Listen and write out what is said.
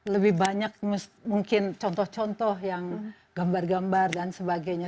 lebih banyak mungkin contoh contoh yang gambar gambar dan sebagainya